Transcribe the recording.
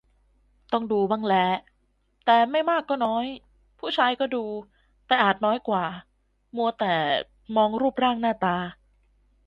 ต้องดูบ้างแหละ แต่ไม่มากก็น้อย ผู้ชายก็ดู แต่อาจน้อยกว่า มัวแต่มองรูปร่างหน้าตา